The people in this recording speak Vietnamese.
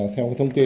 theo thông tin